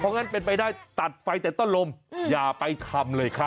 เพราะฉนาเป็นไปได้ตัดไฟแต่ต้นลมอย่าไปทำเลย